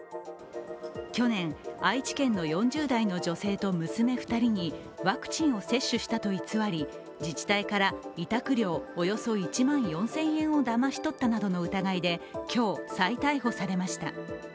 去年、愛知県の４０代の女性と娘２人にワクチンを接種したと偽り、自治体から、委託料およそ１万４０００円をだまし取ったなどの疑いで今日、再逮捕されました。